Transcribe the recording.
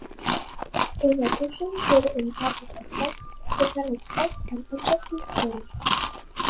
In addition to the entropic effect, we can expect an "enthalpy" change.